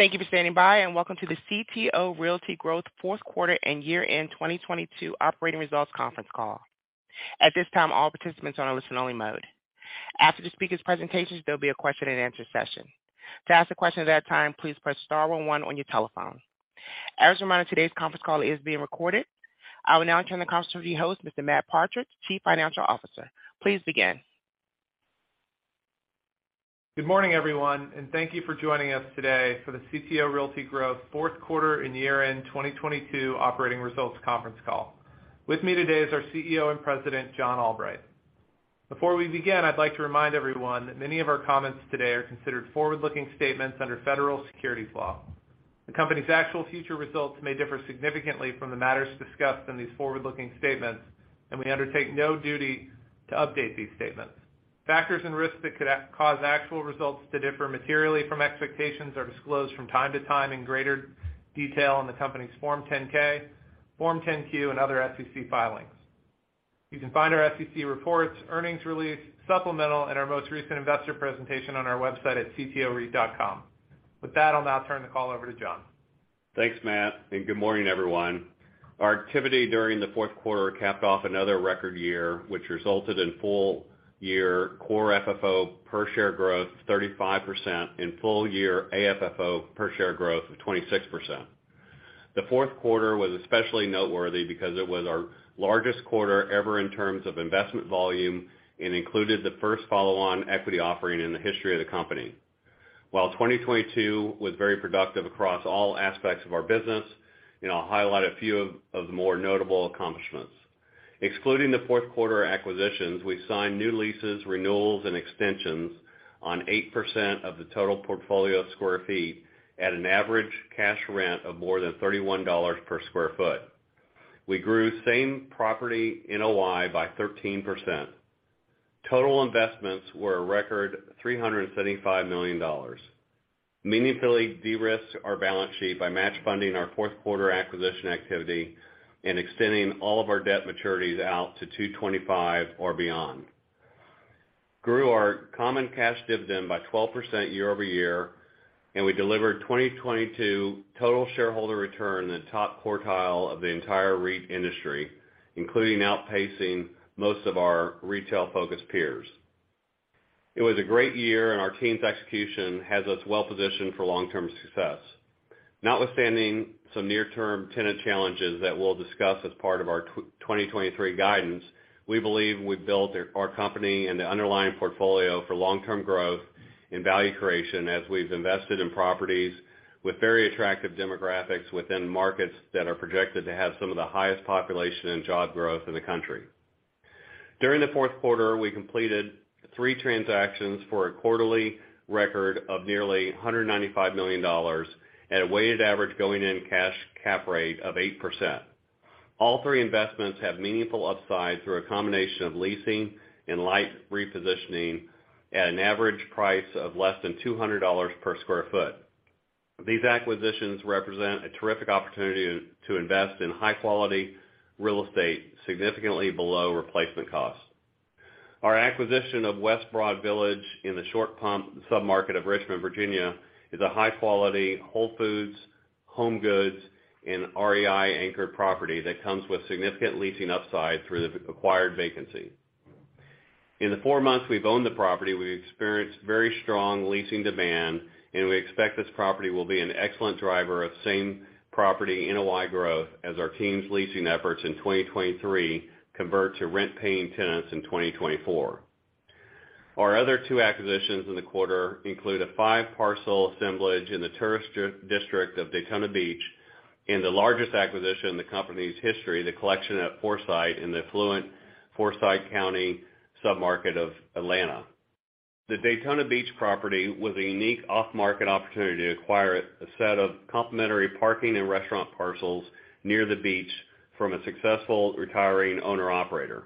Thank you for standing by. Welcome to the CTO Realty Growth Fourth Quarter and Year-End 2022 Operating Results Conference Call. At this time, all participants are on a listen-only mode. After the speakers' presentations, there'll be a question-and-answer session. To ask a question at that time, please press star one one on your telephone. As a reminder, today's conference call is being recorded. I will now turn the conference over to your host, Mr. Matt Partridge, Chief Financial Officer. Please begin. Good morning, everyone, and thank you for joining us today for the CTO Realty Growth Fourth Quarter and Year-End 2022 Operating Results Conference Call. With me today is our CEO and President, John Albright. Before we begin, I'd like to remind everyone that many of our comments today are considered forward-looking statements under federal securities law. The company's actual future results may differ significantly from the matters discussed in these forward-looking statements, and we undertake no duty to update these statements. Factors and risks that could cause actual results to differ materially from expectations are disclosed from time to time in greater detail in the company's Form 10-K, Form 10-Q, and other SEC filings. You can find our SEC reports, earnings release, supplemental, and our most recent investor presentation on our website at ctoreit.com. With that, I'll now turn the call over to John. Thanks, Matt. Good morning, everyone. Our activity during the fourth quarter capped off another record year, which resulted in full-year Core FFO per share growth of 35% and full-year AFFO per share growth of 26%. The fourth quarter was especially noteworthy because it was our largest quarter ever in terms of investment volume and included the first follow-on equity offering in the history of the company. While 2022 was very productive across all aspects of our business, and I'll highlight a few of the more notable accomplishments. Excluding the fourth quarter acquisitions, we signed new leases, renewals, and extensions on 8% of the total portfolio of sq ft at an average cash rent of more than $31 per sq ft. We grew same property NOI by 13%. Total investments were a record $375 million, meaningfully de-risked our balance sheet by match funding our fourth quarter acquisition activity and extending all of our debt maturities out to 2025 or beyond. Grew our common cash dividend by 12% year-over-year, and we delivered 2022 total shareholder return in the top quartile of the entire REIT industry, including outpacing most of our retail-focused peers. It was a great year. Our team's execution has us well positioned for long-term success. Notwithstanding some near-term tenant challenges that we'll discuss as part of our 2023 guidance, we believe we've built our company and the underlying portfolio for long-term growth and value creation as we've invested in properties with very attractive demographics within markets that are projected to have some of the highest population and job growth in the country. During the fourth quarter, we completed three transactions for a quarterly record of nearly $195 million at a weighted average going-in cash cap rate of 8%. All three investments have meaningful upside through a combination of leasing and light repositioning at an average price of less than $200 per square foot. These acquisitions represent a terrific opportunity to invest in high-quality real estate significantly below replacement cost. Our acquisition of West Broad Village in the Short Pump submarket of Richmond, Virginia, is a high-quality Whole Foods, HomeGoods, and REI anchored property that comes with significant leasing upside through the acquired vacancy. In the four months we've owned the property, we've experienced very strong leasing demand, and we expect this property will be an excellent driver of same-property NOI growth as our team's leasing efforts in 2023 convert to rent-paying tenants in 2024. Our other two acquisitions in the quarter include a five-parcel assemblage in the tourist district of Daytona Beach and the largest acquisition in the company's history, The Collection at Forsyth in the affluent Forsyth County submarket of Atlanta. The Daytona Beach property was a unique off-market opportunity to acquire a set of complementary parking and restaurant parcels near the beach from a successful retiring owner-operator.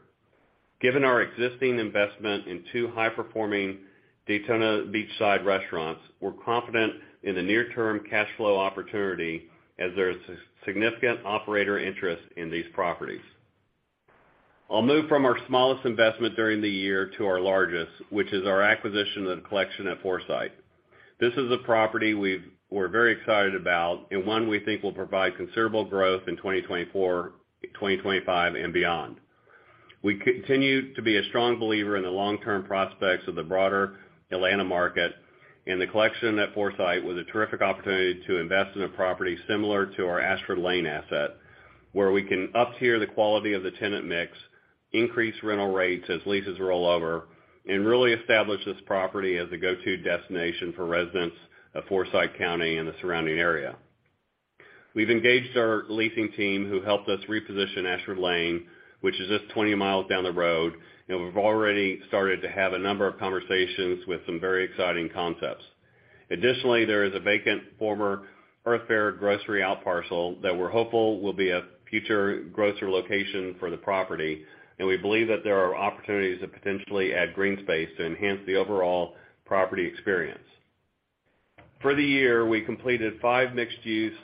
Given our existing investment in two high-performing Daytona Beachside restaurants, we're confident in the near-term cash flow opportunity as there's significant operator interest in these properties. I'll move from our smallest investment during the year to our largest, which is our acquisition of The Collection at Forsyth. This is a property we're very excited about and one we think will provide considerable growth in 2024, 2025, and beyond. We continue to be a strong believer in the long-term prospects of the broader Atlanta market. The Collection at Forsyth was a terrific opportunity to invest in a property similar to our Ashford Lane asset, where we can uptier the quality of the tenant mix, increase rental rates as leases roll over, and really establish this property as a go-to destination for residents of Forsyth County and the surrounding area. We've engaged our leasing team, who helped us reposition Ashford Lane, which is just 20 miles down the road. We've already started to have a number of conversations with some very exciting concepts. Additionally, there is a vacant former Earth Fare grocery outparcel that we're hopeful will be a future grocery location for the property. We believe that there are opportunities to potentially add green space to enhance the overall property experience. For the year, we completed five mixed-use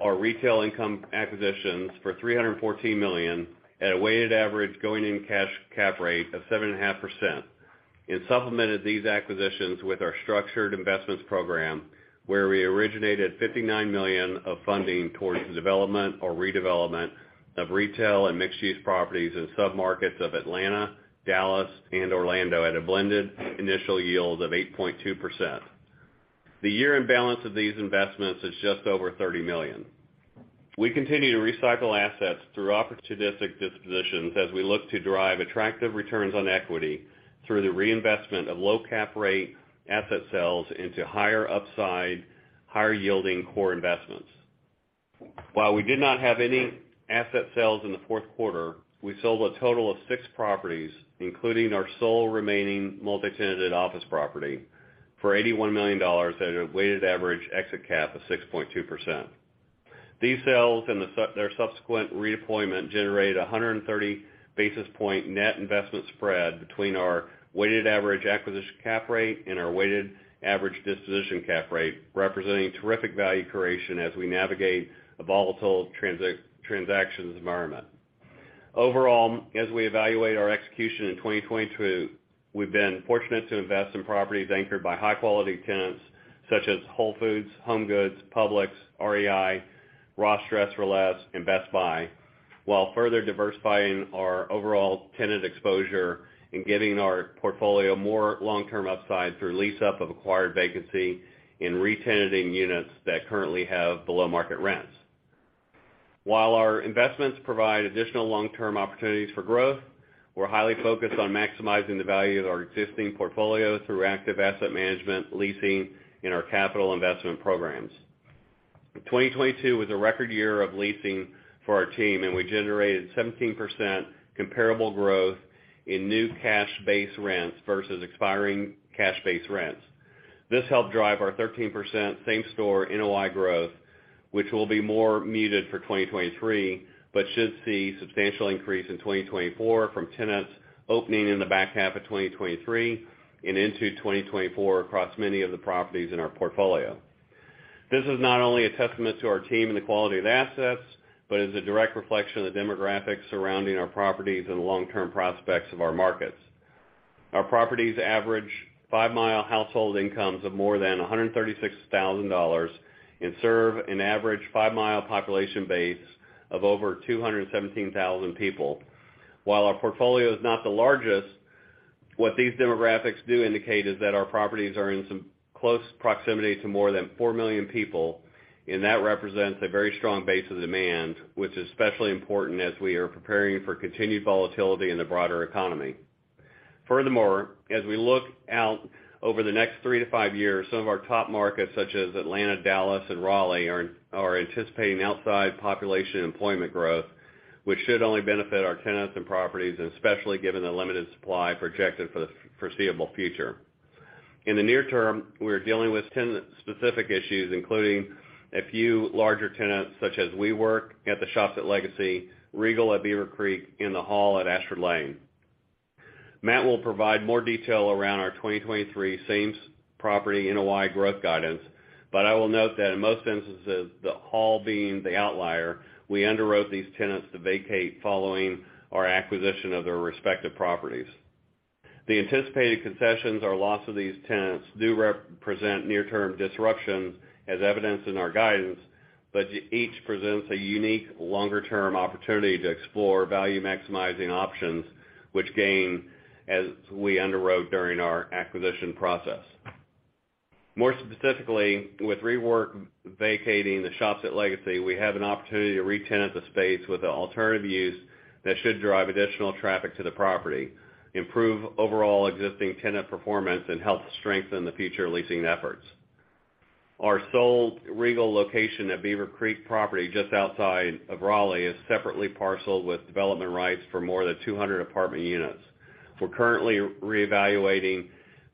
or retail income acquisitions for $314 million at a weighted average going-in cash cap rate of 7.5%. Supplemented these acquisitions with our structured investments program, where we originated $59 million of funding towards the development or redevelopment of retail and mixed-use properties in submarkets of Atlanta, Dallas and Orlando at a blended initial yield of 8.2%. The year-end balance of these investments is just over $30 million. We continue to recycle assets through opportunistic dispositions as we look to drive attractive returns on equity through the reinvestment of low cap rate asset sales into higher upside, higher yielding core investments. While we did not have any asset sales in the fourth quarter, we sold a total of six properties, including our sole remaining multi-tenanted office property for $81 million at a weighted average exit cap of 6.2%. These sales and their subsequent redeployment generated 130 basis point net investment spread between our weighted average acquisition cap rate and our weighted average disposition cap rate, representing terrific value creation as we navigate a volatile transactions environment. Overall, as we evaluate our execution in 2022, we've been fortunate to invest in properties anchored by high-quality tenants such as Whole Foods, HomeGoods, Publix, REI, Ross Dress for Less, and Best Buy, while further diversifying our overall tenant exposure and giving our portfolio more long-term upside through lease-up of acquired vacancy and re-tenanting units that currently have below-market rents. While our investments provide additional long-term opportunities for growth, we're highly focused on maximizing the value of our existing portfolio through active asset management, leasing, and our capital investment programs. 2022 was a record year of leasing for our team. We generated 17% comparable growth in new cash base rents versus expiring cash base rents. This helped drive our 13% same-store NOI growth, which will be more muted for 2023, but should see substantial increase in 2024 from tenants opening in the back half of 2023 and into 2024 across many of the properties in our portfolio. This is not only a testament to our team and the quality of the assets, but is a direct reflection of the demographics surrounding our properties and the long-term prospects of our markets. Our properties average five-mile household incomes of more than $136,000 and serve an average five-mile population base of over 217,000 people. While our portfolio is not the largest, what these demographics do indicate is that our properties are in some close proximity to more than 4 million people, and that represents a very strong base of demand, which is especially important as we are preparing for continued volatility in the broader economy. Furthermore, as we look out over the next three to five years, some of our top markets, such as Atlanta, Dallas, and Raleigh, are anticipating outside population employment growth, which should only benefit our tenants and properties, and especially given the limited supply projected for the foreseeable future. In the near term, we are dealing with tenant-specific issues, including a few larger tenants, such as WeWork at The Shops at Legacy, Regal at Beaver Creek, and The Hall at Ashford Lane. Matt will provide more detail around our 2023 same property NOI growth guidance, but I will note that in most instances, The Hall being the outlier, we underwrote these tenants to vacate following our acquisition of their respective properties. The anticipated concessions or loss of these tenants do represent near-term disruptions, as evidenced in our guidance, but each presents a unique longer-term opportunity to explore value-maximizing options, which gain as we underwrote during our acquisition process. More specifically, with WeWork vacating The Shops at Legacy, we have an opportunity to re-tenant the space with an alternative use that should drive additional traffic to the property, improve overall existing tenant performance, and help strengthen the future leasing efforts. Our sole Regal location at Beaver Creek property just outside of Raleigh is separately parceled with development rights for more than 200 apartment units. We're currently reevaluating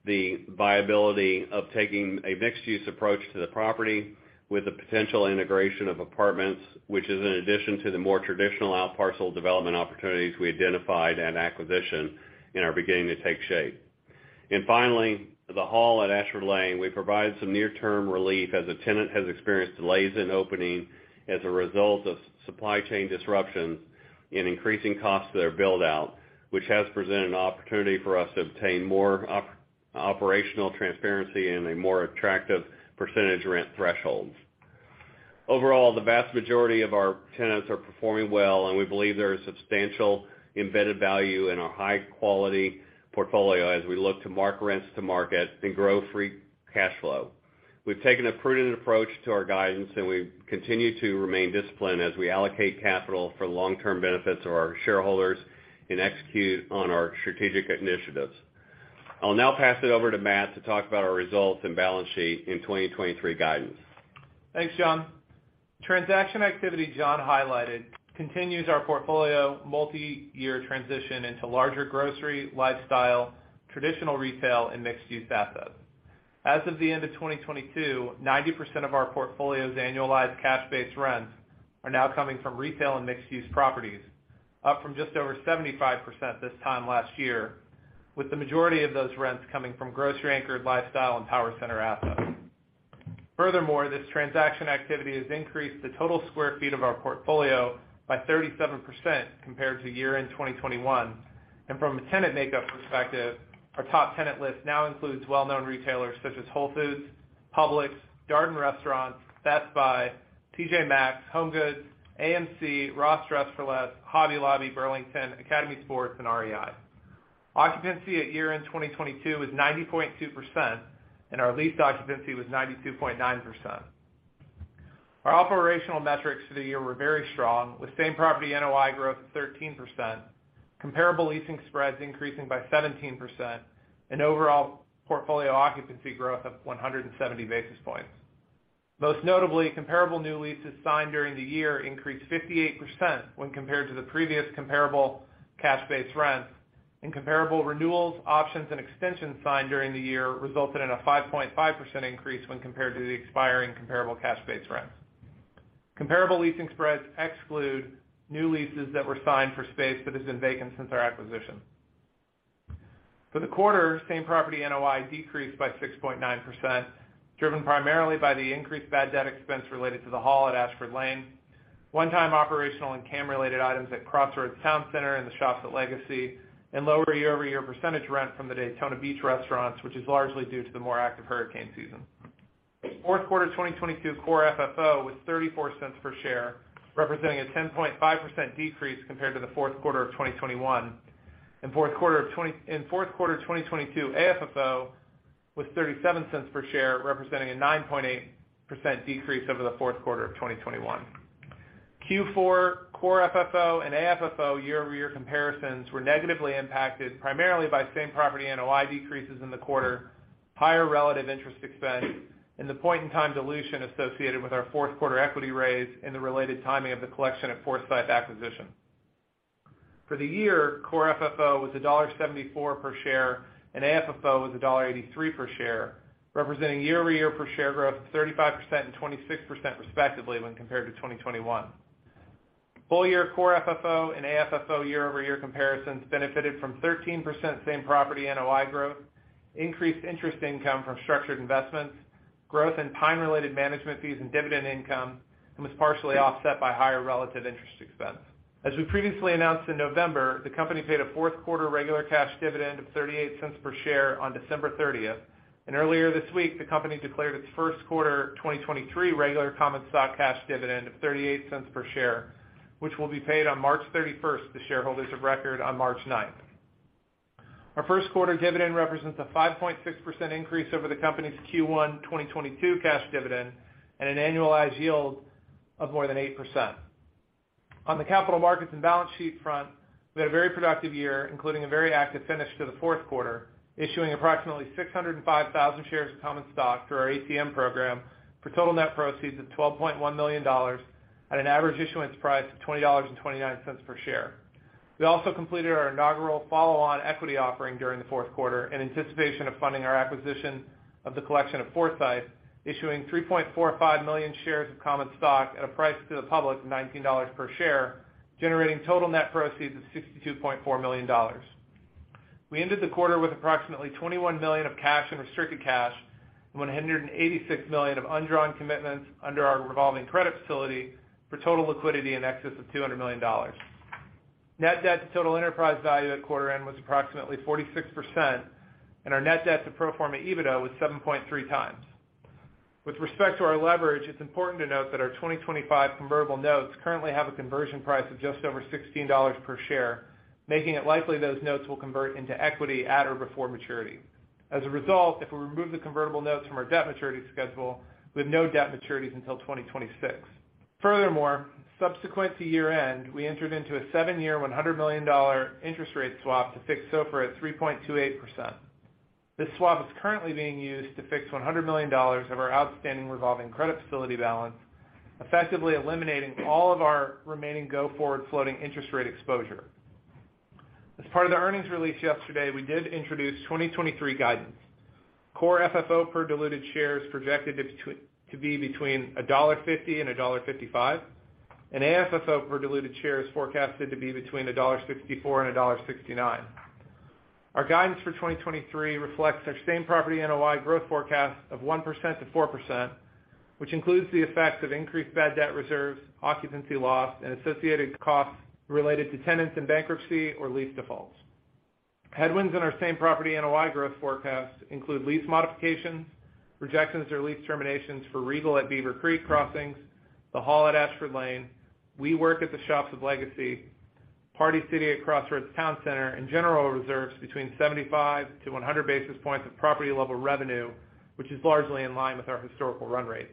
the viability of taking a mixed-use approach to the property with the potential integration of apartments, which is in addition to the more traditional outparcel development opportunities we identified at acquisition and are beginning to take shape. Finally, The Hall at Ashford Lane, we provide some near-term relief as the tenant has experienced delays in opening as a result of supply chain disruptions and increasing costs of their build-out, which has presented an opportunity for us to obtain more operational transparency and a more attractive percentage rent thresholds. Overall, the vast majority of our tenants are performing well, and we believe there is substantial embedded value in our high-quality portfolio as we look to mark rents to market and grow free cash flow. We've taken a prudent approach to our guidance, and we continue to remain disciplined as we allocate capital for long-term benefits of our shareholders and execute on our strategic initiatives. I'll now pass it over to Matt to talk about our results and balance sheet in 2023 guidance. Thanks, John. Transaction activity John highlighted continues our portfolio multiyear transition into larger grocery, lifestyle, traditional retail, and mixed-use assets. As of the end of 2022, 90% of our portfolio's annualized cash base rents are now coming from retail and mixed-use properties, up from just over 75% this time last year, with the majority of those rents coming from grocery anchored lifestyle and power center assets. This transaction activity has increased the total sq ft of our portfolio by 37% compared to year-end 2021. From a tenant makeup perspective, our top tenant list now includes well-known retailers such as Whole Foods Market, Publix, Darden Restaurants, Best Buy, TJ Maxx, HomeGoods, AMC, Ross Dress for Less, Hobby Lobby, Burlington, Academy Sports + Outdoors, and REI. Occupancy at year-end 2022 was 90.2%, and our lease occupancy was 92.9%. Our operational metrics for the year were very strong, with same property NOI growth of 13%, comparable leasing spreads increasing by 17%, and overall portfolio occupancy growth of 170 basis points. Most notably, comparable new leases signed during the year increased 58% when compared to the previous comparable cash base rents. Comparable renewals, options, and extensions signed during the year resulted in a 5.5% increase when compared to the expiring comparable cash base rents. Comparable leasing spreads exclude new leases that were signed for space that has been vacant since our acquisition. For the quarter, same property NOI decreased by 6.9%, driven primarily by the increased bad debt expense related to The Hall at Ashford Lane, one-time operational and CAM-related items at Crossroads Town Center and The Shops at Legacy, and lower year-over-year percentage rent from the Daytona Beach restaurants, which is largely due to the more active hurricane season. Fourth quarter of 2022 Core FFO was $0.34 per share, representing a 10.5% decrease compared to the fourth quarter of 2021. In fourth quarter of 2022, AFFO was $0.37 per share, representing a 9.8% decrease over the fourth quarter of 2021. Q4 Core FFO and AFFO year-over-year comparisons were negatively impacted primarily by same property NOI decreases in the quarter, higher relative interest expense, and the point-in-time dilution associated with our fourth quarter equity raise and the related timing of the Collection at Forsyth acquisition. For the year, Core FFO was $1.74 per share, and AFFO was $1.83 per share, representing year-over-year per share growth of 35% and 26% respectively when compared to 2021. Full-year Core FFO and AFFO year-over-year comparisons benefited from 13% same property NOI growth, increased interest income from structured investments, growth in time-related management fees and dividend income, and was partially offset by higher relative interest expense. As we previously announced in November, the company paid a fourth quarter regular cash dividend of $0.38 per share on December thirtieth. Earlier this week, the company declared its first quarter of 2023 regular common stock cash dividend of $0.38 per share, which will be paid on March 31st to shareholders of record on March 9th. Our first quarter dividend represents a 5.6% increase over the company's Q1 2022 cash dividend and an annualized yield of more than 8%. On the capital markets and balance sheet front, we had a very productive year, including a very active finish to the fourth quarter, issuing approximately 605,000 shares of common stock through our ATM program for total net proceeds of $12.1 million at an average issuance price of $20.29 per share. We also completed our inaugural follow-on equity offering during the fourth quarter in anticipation of funding our acquisition of The Collection at Forsyth, issuing 3.45 million shares of common stock at a price to the public of $19 per share, generating total net proceeds of $62.4 million. We ended the quarter with approximately $21 million of cash and restricted cash and $186 million of undrawn commitments under our revolving credit facility for total liquidity in excess of $200 million. Net debt to total enterprise value at quarter end was approximately 46%, and our net debt to pro forma EBITDA was 7.3 times. With respect to our leverage, it's important to note that our 2025 convertible notes currently have a conversion price of just over $16 per share, making it likely those notes will convert into equity at or before maturity. As a result, if we remove the convertible notes from our debt maturity schedule, we have no debt maturities until 2026. Furthermore, subsequent to year-end, we entered into a seven-year, $100 million interest rate swap to fix SOFR at 3.28%. This swap is currently being used to fix $100 million of our outstanding revolving credit facility balance, effectively eliminating all of our remaining go-forward floating interest rate exposure. As part of the earnings release yesterday, we did introduce 2023 guidance. Core FFO per diluted shares projected to be between $1.50 and $1.55, and AFFO per diluted share is forecasted to be between $1.64 and $1.69. Our guidance for 2023 reflects our same property NOI growth forecast of 1%-4%, which includes the effects of increased bad debt reserves, occupancy loss, and associated costs related to tenants in bankruptcy or lease defaults. Headwinds in our same property NOI growth forecast include lease modifications, rejections or lease terminations for Regal at Beaver Creek Crossings, The Hall at Ashford Lane, WeWork at The Shops at Legacy, Party City at Crossroads Town Center, and general reserves between 75 to 100 basis points of property-level revenue, which is largely in line with our historical run rate.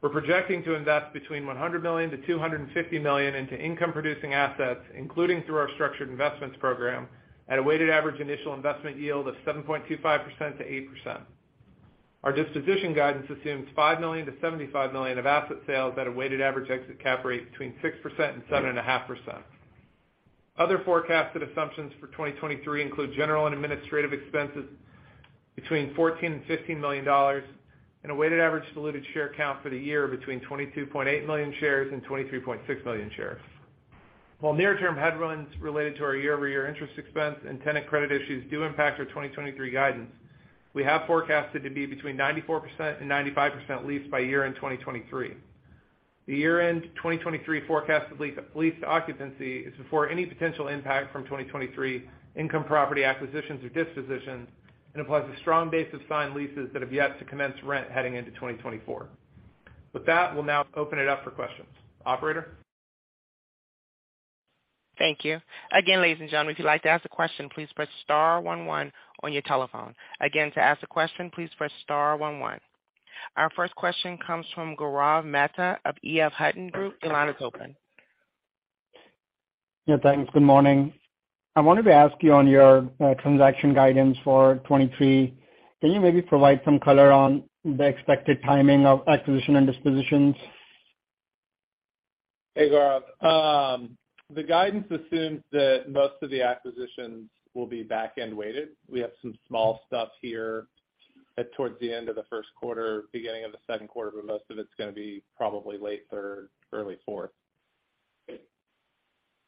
We're projecting to invest between $100-250 million into income-producing assets, including through our structured investments program, at a weighted average initial investment yield of 7.25%-8%. Our disposition guidance assumes $50-75 million of asset sales at a weighted average exit cap rate between 6%-7.5%. Other forecasted assumptions for 2023 include general and administrative expenses between $14-15 million and a weighted average diluted share count for the year between 22.8 million shares and 23.6 million shares. While near-term headwinds related to our year-over-year interest expense and tenant credit issues do impact our 2023 guidance, we have forecasted to be between 94%-95% leased by year-end 2023. The year-end 2023 forecasted leased occupancy is before any potential impact from 2023 income property acquisitions or dispositions, and applies a strong base of signed leases that have yet to commence rent heading into 2024. With that, we'll now open it up for questions. Operator? Thank you. Again, ladies and gentlemen, if you'd like to ask a question, please press star one one on your telephone. Again, to ask a question, please press star one one. Our first question comes fromGaurav Mehta of EF Hutton. Your line is open. Yeah, thanks. Good morning. I wanted to ask you on your transaction guidance for 2023, can you maybe provide some color on the expected timing of acquisition and dispositions? Hey, Gaurav. The guidance assumes that most of the acquisitions will be back-end weighted. We have some small stuff here at towards the end of the first quarter, beginning of the second quarter, most of it's gonna be probably late third, early fourth.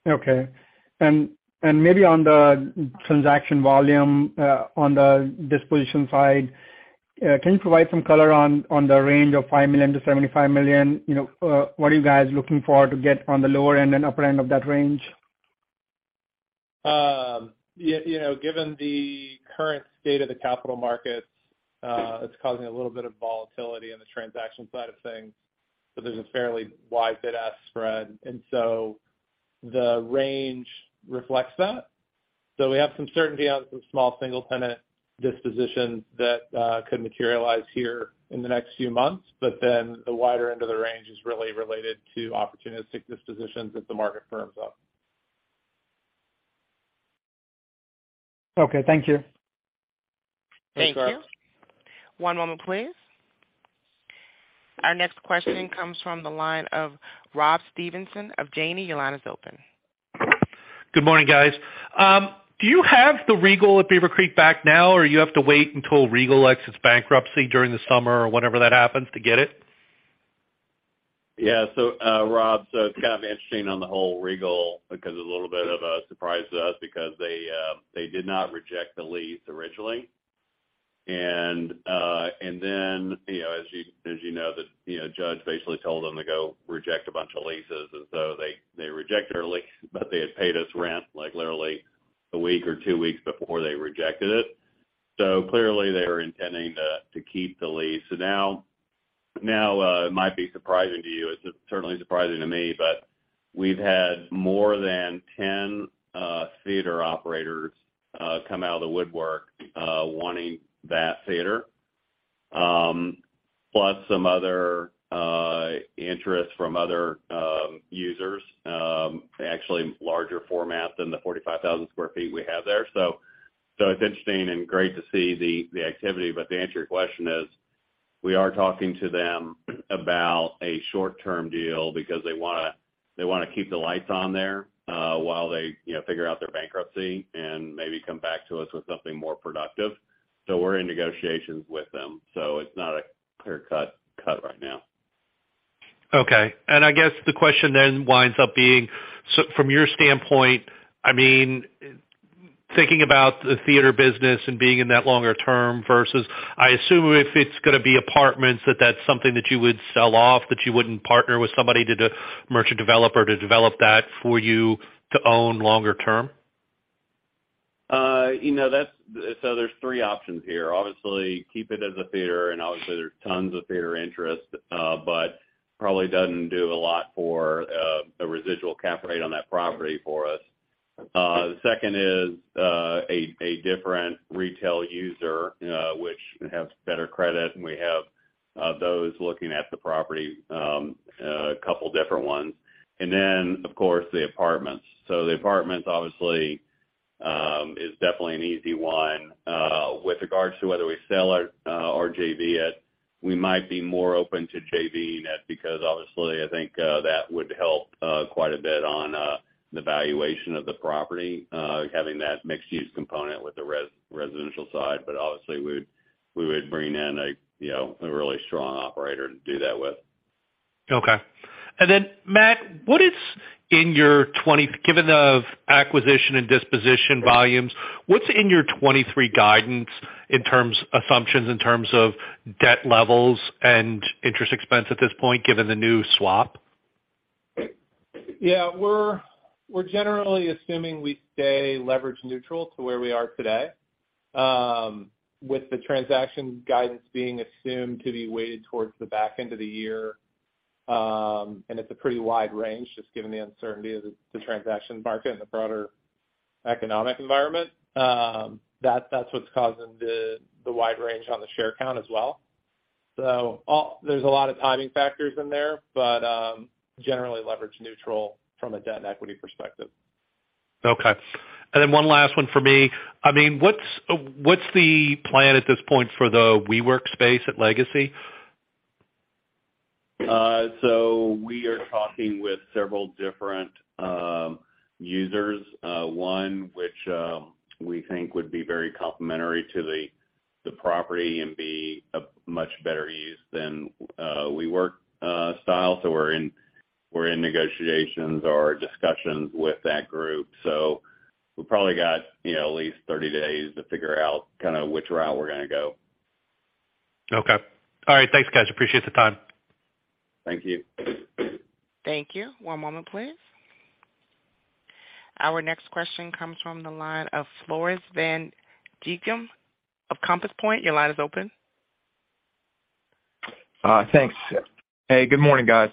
Okay. And maybe on the transaction volume, on the disposition side, can you provide some color on the range of $5-75 million? You know, what are you guys looking for to get on the lower end and upper end of that range? Yeah, you know, given the current state of the capital markets, it's causing a little bit of volatility on the transaction side of things. There's a fairly wide bid-ask spread. The range reflects that. We have some certainty on some small single-tenant dispositions that could materialize here in the next few months. The wider end of the range is really related to opportunistic dispositions as the market firms up. Okay, thank you. Thanks, Gaurav. Thank you. One moment please. Our next question comes from the line of Rob Stevenson of Janney. Your line is open. Good morning, guys. Do you have the Regal at Beaver Creek back now, or you have to wait until Regal exits bankruptcy during the summer or whenever that happens to get it? Yeah. Rob, it's kind of interesting on the whole Regal because it's a little bit of a surprise to us because they did not reject the lease originally. you know, as you, as you know, judge basically told them to go reject a bunch of leases, and so they rejected our lease, but they had paid us rent like literally one week or two weeks before they rejected it. Clearly, they were intending to keep the lease. Now, it might be surprising to you, it's certainly surprising to me, but we've had more than 10 theater operators come out of the woodwork wanting that theater. Plus some other interest from other users, actually larger format than the 45,000 sq ft we have there. It's interesting and great to see the activity. To answer your question is, we are talking to them about a short-term deal because they wanna keep the lights on there, while they, you know, figure out their bankruptcy and maybe come back to us with something more productive. We're in negotiations with them. It's not a clear cut right now. I guess the question then winds up being, from your standpoint, I mean, thinking about the theater business and being in that longer term versus I assume if it's gonna be apartments, that that's something that you would sell off, that you wouldn't partner with somebody to do merchant developer to develop that for you to own longer term? you know, there's three options here. Obviously, keep it as a theater, and obviously there's tons of theater interest, but probably doesn't do a lot for the residual cap rate on that property for us. The second is a different retail user, which has better credit, and we have those looking at the property, a couple different ones. Of course, the apartments. The apartments obviously is definitely an easy one. With regards to whether we sell or JV it, we might be more open to JV-ing it because obviously I think that would help quite a bit on the valuation of the property, having that mixed use component with the residential side. Obviously, we would bring in a, you know, a really strong operator to do that with. Okay. Matt, what is in your given the acquisition and disposition volumes, what's in your 23 guidance assumptions in terms of debt levels and interest expense at this point, given the new swap? Yeah. We're generally assuming we stay leverage neutral to where we are today, with the transaction guidance being assumed to be weighted towards the back end of the year. It's a pretty wide range, just given the uncertainty of the transaction market and the broader economic environment. That's what's causing the wide range on the share count as well. There's a lot of timing factors in there, but generally leverage neutral from a debt and equity perspective. Okay. Then one last one for me. I mean, what's the plan at this point for the WeWork space at Legacy? We are talking with several different users. One which we think would be very complementary to the property and be a much better use than WeWork style. We're in negotiations or discussions with that group. We probably got, you know, at least 30 days to figure out kind of which route we're gonna go. Okay. All right, thanks guys. Appreciate the time. Thank you. Thank you. One moment please. Our next question comes from the line of Floris van Dijkum of Compass Point. Your line is open. Thanks. Hey, good morning, guys.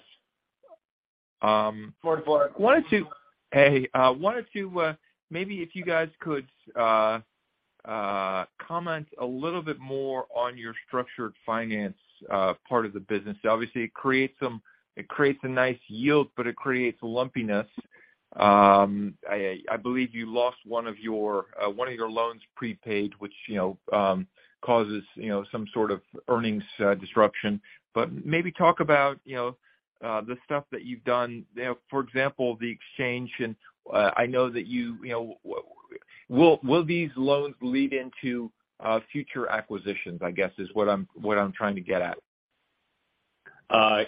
Floris. wanted to maybe if you guys could comment a little bit more on your structured finance part of the business. Obviously, it creates a nice yield, but it creates lumpiness. I believe you lost one of your one of your loans prepaid, which, you know, causes, you know, some sort of earnings disruption. Maybe talk about, you know, the stuff that you've done, you know, for example, the exchange and, I know that you know. Will these loans lead into future acquisitions, I guess, is what I'm trying to get at?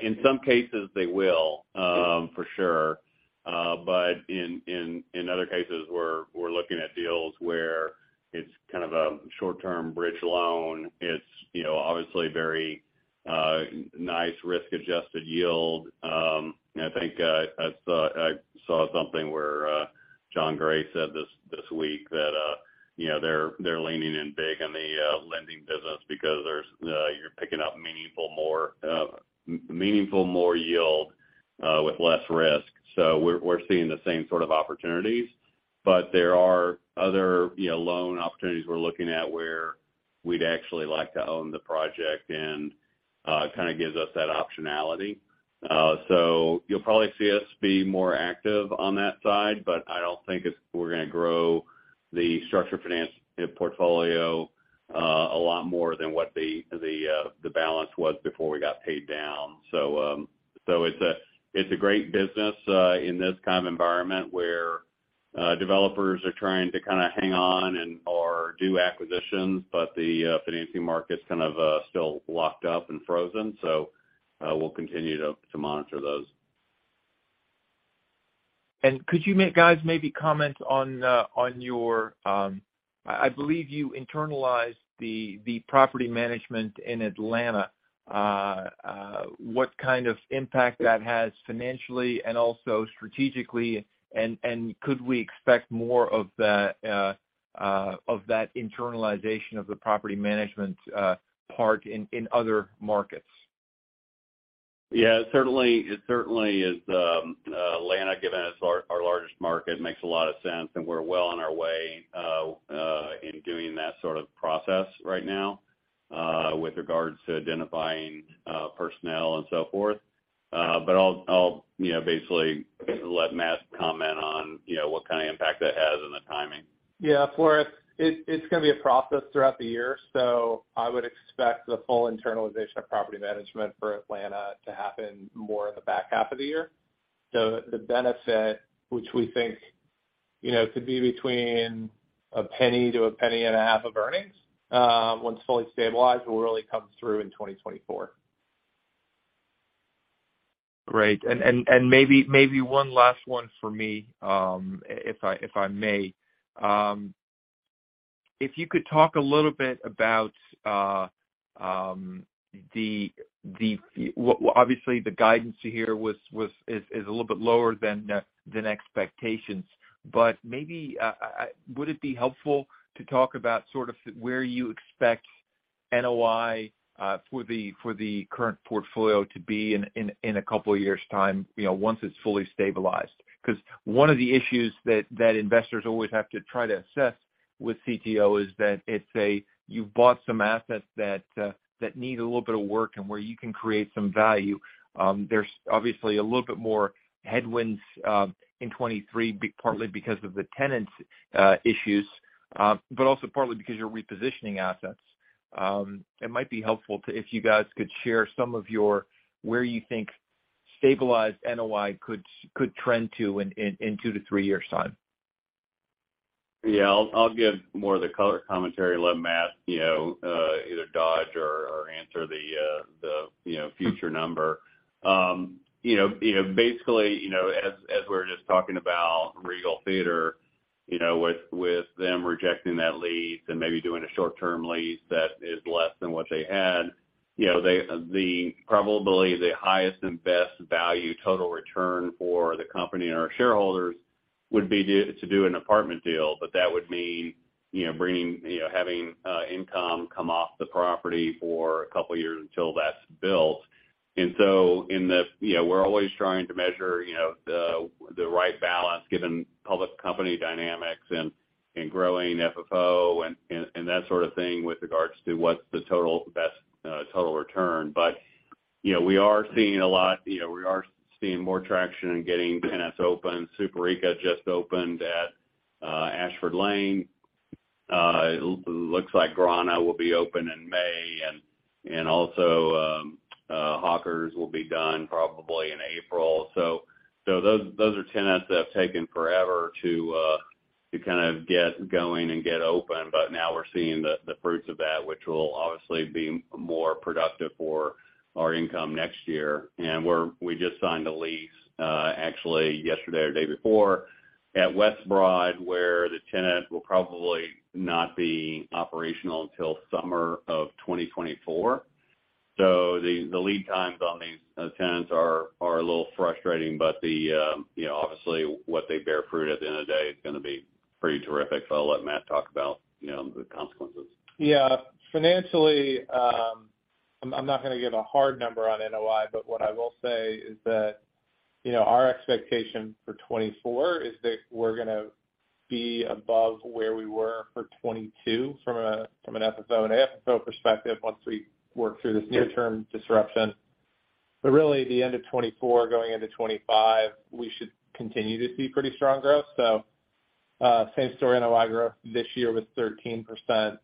In some cases, they will, for sure. In other cases, we're looking at deals where it's kind of a short-term bridge loan. It's, you know, obviously very nice risk-adjusted yield. I think, I saw something where Jon Gray said this this week that, you know, they're leaning in big on the lending business because there's, you're picking up meaningful more yield with less risk. We're seeing the same sort of opportunities. There are other, you know, loan opportunities we're looking at where we'd actually like to own the project and kind of gives us that optionality. You'll probably see us be more active on that side, but I don't think we're gonna grow the structured finance portfolio a lot more than what the balance was before we got paid down. It's a great business in this kind of environment where developers are trying to kinda hang on and/or do acquisitions, but the financing market's kind of still locked up and frozen. We'll continue to monitor those. Could you guys maybe comment on your, I believe you internalized the property management in Atlanta? What kind of impact that has financially and also strategically, and could we expect more of that internalization of the property management part in other markets? It certainly is, Atlanta, given it's our largest market, makes a lot of sense. We're well on our way in doing that sort of process right now, with regards to identifying personnel and so forth. I'll, you know, basically let Matt comment on, you know, what kind of impact that has on the timing. Yeah, Floris, it's gonna be a process throughout the year. I would expect the full internalization of property management for Atlanta to happen more in the back half of the year. The benefit, which we think, you know, could be between $0.01-0.015 of earnings, once fully stabilized, will really come through in 2024. Great. Maybe one last one for me, if I may. If you could talk a little bit about. Well, obviously, the guidance here was a little bit lower than expectations. Maybe, would it be helpful to talk about sort of where you expect NOI for the current portfolio to be in a couple of years' time, you know, once it's fully stabilized? 'Cause one of the issues that investors always have to try to assess with CTO is that you've bought some assets that need a little bit of work and where you can create some value. There's obviously a little bit more headwinds in 2023 partly because of the tenants issues, but also partly because you're repositioning assets. It might be helpful to if you guys could share some of your where you think stabilized NOI could trend to in two to three years' time. Yeah. I'll give more of the color commentary. Let Matt, you know, either dodge or answer the, you know, future number. You know, basically, as we were just talking about Regal Theater, you know, with them rejecting that lease and maybe doing a short-term lease that is less than what they had, you know, the probability, the highest and best value total return for the company and our shareholders would be to do an apartment deal, but that would mean, you know, bringing, having income come off the property for a couple of years until that's built. In the... You know, we're always trying to measure, you know, the right balance given public company dynamics and growing FFO and that sort of thing with regards to what the total, best, total return. You know, we are seeing more traction in getting tenants open. Superica just opened at Ashford Lane. It looks like Grana will be open at. Also, Hawkers will be done probably in April. Those are tenants that have taken forever to kind of get going and get open, but now we're seeing the fruits of that, which will obviously be more productive for our income next year. We just signed a lease, actually yesterday or day before at West Broad, where the tenant will probably not be operational till summer of 2024. The lead times on these tenants are a little frustrating, but the, you know, obviously what they bear fruit at the end of the day is gonna be pretty terrific. I'll let Matt talk about, you know, the consequences. Yeah. Financially, I'm not gonna give a hard number on NOI, what I will say is that, you know, our expectation for 2024 is that we're gonna be above where we were for 2022 from an FFO and AFFO perspective once we work through this near-term disruption. Really the end of 2024 going into 2025, we should continue to see pretty strong growth. Same story, NOI growth this year was 13%.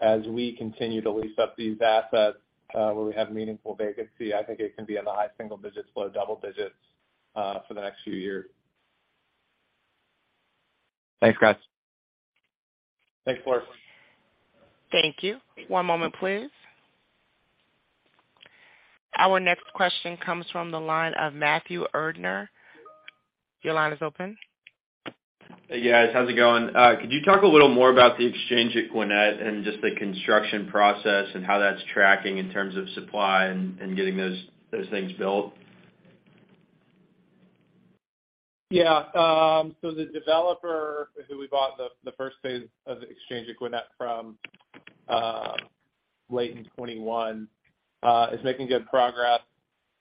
As we continue to lease up these assets, where we have meaningful vacancy, I think it can be in the high single digits, low double digits, for the next few years. Thanks, guys. Thanks, Forrest. Thank you. One moment, please. Our next question comes from the line of Matthew Erdner. Your line is open. Hey, guys. How's it going? Could you talk a little more about the Exchange at Gwinnett and just the construction process and how that's tracking in terms of supply and getting those things built? The developer who we bought the first phase of Exchange at Gwinnett from late in 21 is making good progress.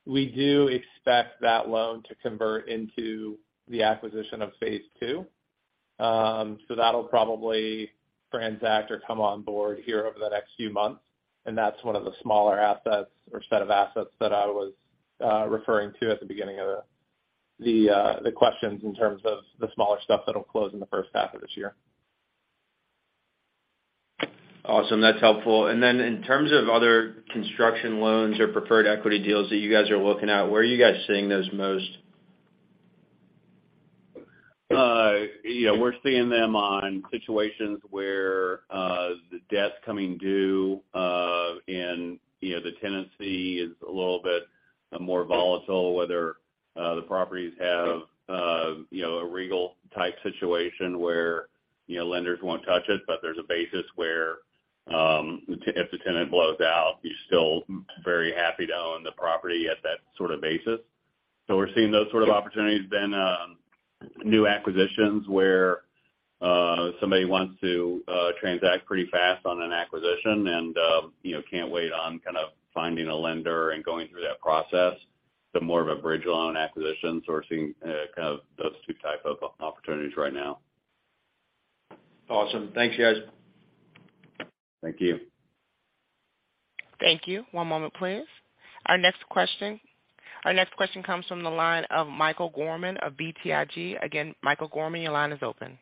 We do expect that loan to convert into the acquisition of phase II. That'll probably transact or come on board here over the next few months, and that's one of the smaller assets or set of assets that I was referring to at the beginning of the questions in terms of the smaller stuff that'll close in the first half of this year. Awesome. That's helpful. In terms of other construction loans or preferred equity deals that you guys are looking at, where are you guys seeing those most? You know, we're seeing them on situations where the debt's coming due, and, you know, the tenancy is a little bit more volatile, whether the properties have, you know, a Regal Cinemas type situation where, you know, lenders won't touch it, but there's a basis where if the tenant blows out, you're still very happy to own the property at that sort of basis. We're seeing those sort of opportunities. New acquisitions where somebody wants to transact pretty fast on an acquisition and, you know, can't wait on kind of finding a lender and going through that process. More of a bridge loan acquisition sourcing, kind of those two type of opportunities right now. Awesome. Thanks, guys. Thank you. Thank you. One moment, please. Our next question comes from the line of Michael Gorman of BTIG. Again, Michael Gorman, your line is open.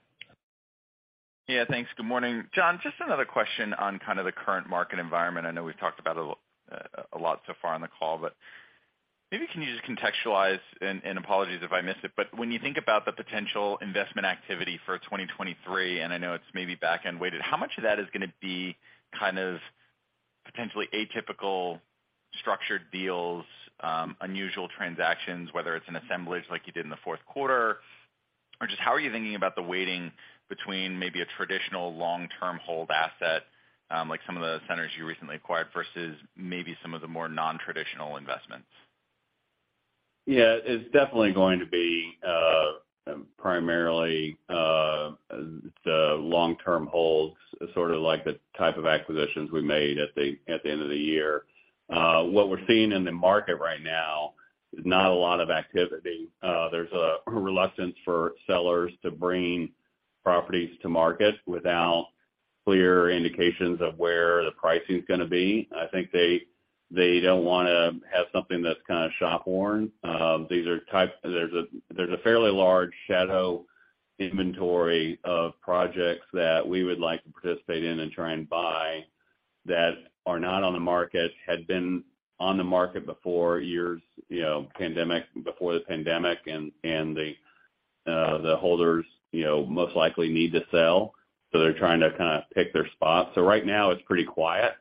Yeah, thanks. Good morning. John, just another question on kind of the current market environment. I know we've talked about it a lot so far on the call, but maybe can you just contextualize, and apologies if I missed it, but when you think about the potential investment activity for 2023, and I know it's maybe back-end weighted, how much of that is gonna be kind of potentially atypical structured deals, unusual transactions, whether it's an assemblage like you did in the fourth quarter, or just how are you thinking about the weighting between maybe a traditional long-term hold asset, like some of the centers you recently acquired versus maybe some of the more non-traditional investments? Yeah. It's definitely going to be, primarily, the long-term holds, sort of like the type of acquisitions we made at the end of the year. What we're seeing in the market right now is not a lot of activity. There's a reluctance for sellers to bring properties to market without clear indications of where the pricing's gonna be. I think they don't wanna have something that's kind of shop worn. There's a fairly large shadow inventory of projects that we would like to participate in and try and buy that are not on the market, had been on the market before years, you know, pandemic, before the pandemic and the holders, you know, most likely need to sell, so they're trying to kinda pick their spot. Right now it's pretty quiet.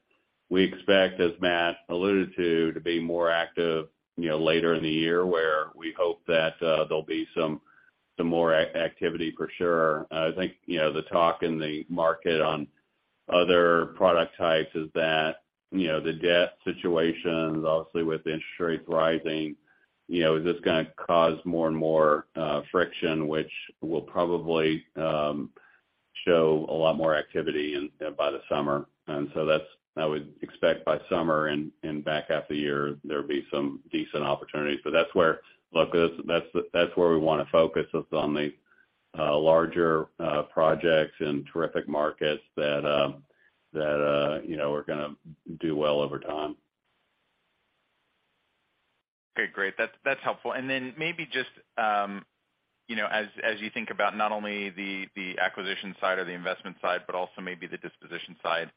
We expect, as Matt alluded to be more active, you know, later in the year where we hope that there'll be some more activity for sure. I think, you know, the talk in the market on other product types is that, you know, the debt situation, obviously with interest rates rising, you know, is this gonna cause more and more friction, which will probably show a lot more activity by the summer. I would expect by summer and back half of the year, there'll be some decent opportunities. Look, that's where we wanna focus is on the larger projects and terrific markets that, you know, are gonna do well over time. Great. That's, that's helpful. Then maybe just, you know, as you think about not only the acquisition side or the investment side, but also maybe the disposition side.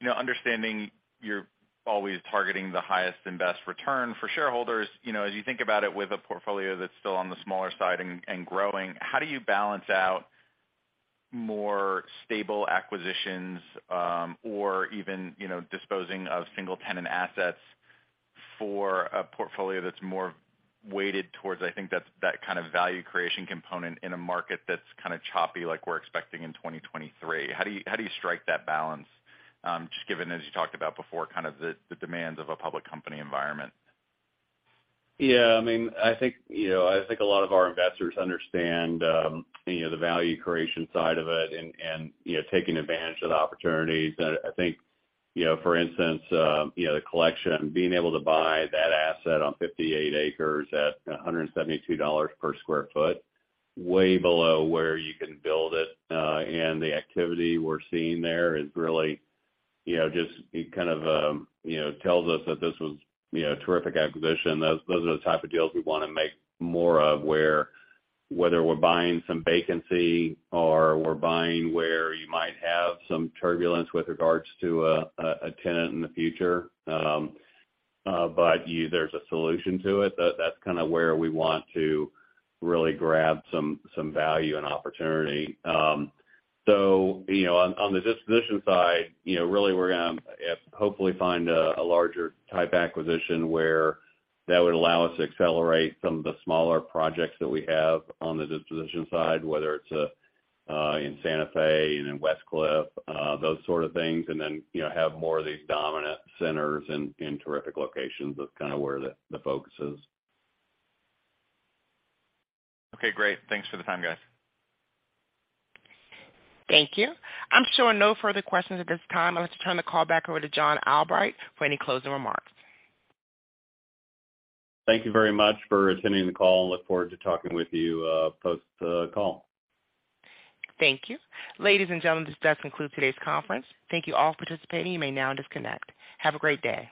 You know, understanding you're always targeting the highest and best return for shareholders, you know, as you think about it with a portfolio that's still on the smaller side and growing, how do you balance out more stable acquisitions, or even, you know, disposing of single tenant assets for a portfolio that's more weighted towards, I think that kind of value creation component in a market that's kind of choppy like we're expecting in 2023? How do you, how do you strike that balance, just given, as you talked about before, kind of the demands of a public company environment? Yeah, I mean, I think, you know, I think a lot of our investors understand, you know, the value creation side of it and, you know, taking advantage of the opportunities. I think, you know, for instance, you know, The Collection, being able to buy that asset on 58 acres at $172 per square foot, way below where you can build it. The activity we're seeing there is really, you know, just kind of, you know, tells us that this was, you know, a terrific acquisition. Those are the type of deals we wanna make more of, where whether we're buying some vacancy or we're buying where you might have some turbulence with regards to a tenant in the future, there's a solution to it, that's kind of where we want to really grab some value and opportunity. You know, on the disposition side, you know, really we're gonna hopefully find a larger type acquisition where that would allow us to accelerate some of the smaller projects that we have on the disposition side, whether it's in Santa Fe and in Westcliff, those sort of things, then, you know, have more of these dominant centers in terrific locations. That's kind of where the focus is. Okay, great. Thanks for the time, guys. Thank you. I'm showing no further questions at this time. I'd like to turn the call back over to John Albright for any closing remarks. Thank you very much for attending the call. Look forward to talking with you, post the call. Thank you. Ladies and gentlemen, this does conclude today's conference. Thank you all for participating. You may now disconnect. Have a great day.